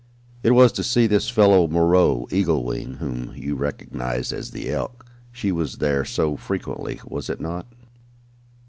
It was to see this fellow, Moreau Eagle Wing whom you recognized at the Elk, she was there so frequently was it not?"